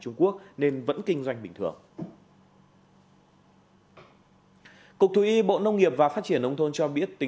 trung quốc nên vẫn kinh doanh bình thường cục thú y bộ nông nghiệp và phát triển nông thôn cho biết tính